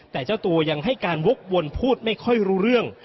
แต่เจ้าตัวยังให้การวกวนพูดไม่ค่อยรู้เรื่อง